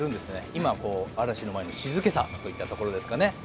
今、嵐の前の静けさといったところですかね。